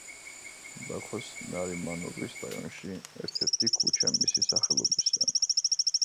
ბაქოს ნარიმანოვის რაიონში ერთ-ერთი ქუჩა მისი სახელობისაა.